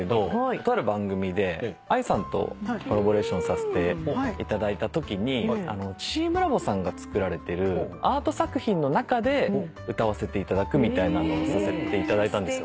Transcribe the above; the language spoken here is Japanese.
とある番組でＡＩさんとコラボレーションさせていただいたときにチームラボさんがつくられてるアート作品の中で歌わせていただくみたいなのをさせていただいたんですよ。